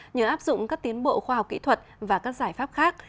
nhờ áp dụng các tiến bộ khoa học kỹ thuật và các giải pháp khác